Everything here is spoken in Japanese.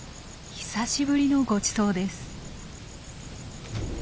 久しぶりのごちそうです。